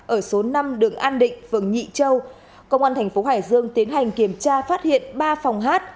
ở số năm đường an định phường nhị châu công an thành phố hải dương tiến hành kiểm tra phát hiện ba phòng hát